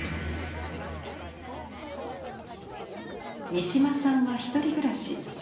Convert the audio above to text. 三島さんは１人暮らし。